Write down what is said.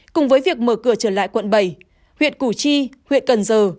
cùng với việc mở cửa trở lại quận bảy huyện củ chi huyện cần giờ